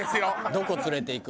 どこ連れていく？